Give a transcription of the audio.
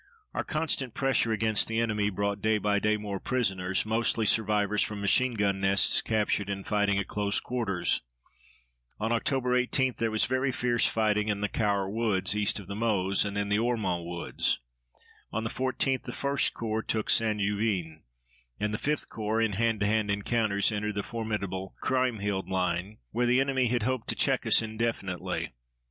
Our constant pressure against the enemy brought day by day more prisoners, mostly survivors from machine gun nests captured in fighting at close quarters. On Oct. 18 there was very fierce fighting in the Caures Woods east of the Meuse and in the Ormont Woods. On the 14th the 1st Corps took St. Juvin, and the 5th Corps, in hand to hand encounters, entered the formidable Kriemhilde line, where the enemy had hoped to check us indefinitely.